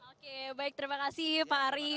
oke baik terima kasih pak ari